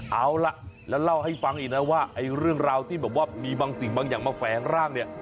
เอาล่ะแล้วเล่าให้ฟังอีกนะว่าไอ้เรื่องราวที่แบบว่ามีบางสิ่งบางอย่างมาแฝงร่างเนี่ย